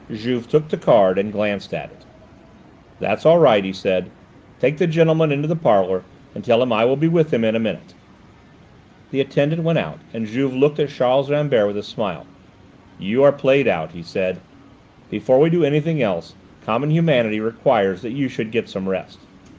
Juve took the card and glanced at it. "That's all right," he said. "Take the gentleman into the parlour and tell him I will be with him in a minute." The attendant went out and Juve looked at Charles Rambert with a smile. "You are played out," he said; "before we do anything else common humanity requires that you should get some rest.